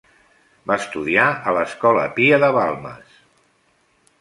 Va estudiar a l'Escola Pia de Balmes.